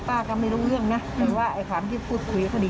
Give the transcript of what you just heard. เป้าก็ไม่รู้เรื่องนะหรือว่าไอ้ความที่พูดคุยเท่านี้